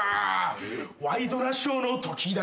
「『ワイドナショー』のときだけ」